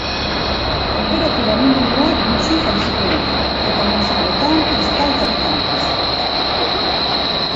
Tenperatura minimoak gutxi jaitsiko dira, eta maximoetan ez da aldaketarik izango.